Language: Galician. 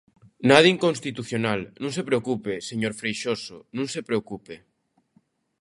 Nada inconstitucional, non se preocupe, señor Freixoso, non se preocupe.